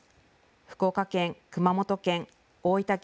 福岡県、熊本県、大分県